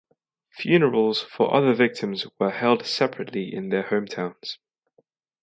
Funerals for other victims were held separately in their hometowns.